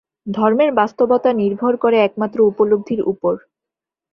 ধর্মের বাস্তবতা নির্ভর করে একমাত্র উপলব্ধির উপর।